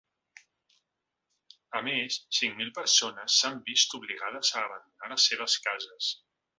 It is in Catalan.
A més, cinc mil persones s’han vist obligades a abandonar les seves cases.